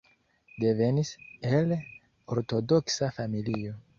Devenis el ortodoksa familio.